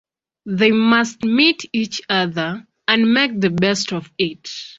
They must meet each other, and make the best of it.